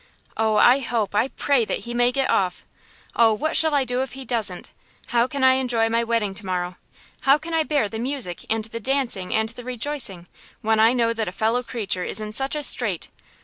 "Oh, I hope, I pray, that he may get off! Oh, what shall I do if he doesn't! How can I enjoy my wedding to morrow? How can I bear the music and the dancing and the rejoicing; when I know that a fellow creature is in such a strait!